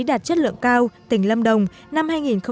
đạt chất lượng cao tỉnh lâm đồng năm hai nghìn một mươi chín